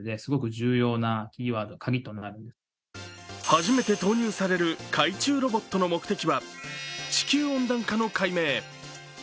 初めて投入される海中ロボットの目的は地球温暖化の解明。